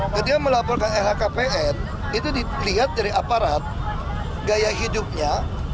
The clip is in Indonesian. ketika melaporkan lhkpn itu dilihat dari aparat gaya hidupnya